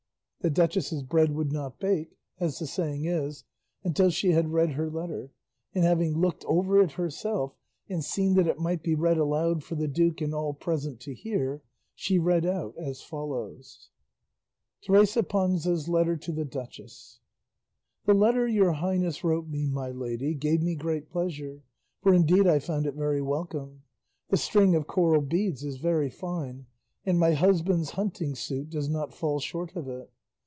The duchess's bread would not bake, as the saying is, until she had read her letter; and having looked over it herself and seen that it might be read aloud for the duke and all present to hear, she read out as follows. TERESA PANZA'S LETTER TO THE DUCHESS. The letter your highness wrote me, my lady, gave me great pleasure, for indeed I found it very welcome. The string of coral beads is very fine, and my husband's hunting suit does not fall short of it.